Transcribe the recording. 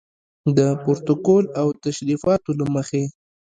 د پروتوکول او تشریفاتو له مخې.